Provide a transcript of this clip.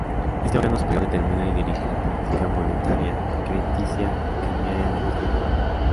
Este órgano superior determina y dirige la política monetaria, crediticia y cambiaría del Estado.